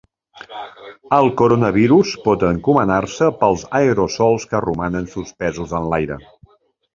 El coronavirus pot encomanar-se pels aerosols que romanen suspesos en l’aire.